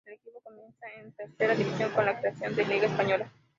El equipo comienza en Tercera División con la creación la Liga española.